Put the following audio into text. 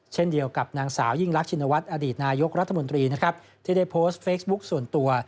เช่นเดียวกับนางสาวยิ่งรักชินวัฒน์อดีตนายกรัฐมนตรีนะครับที่ได้โพสต์เฟซบุ๊คส่วนตัว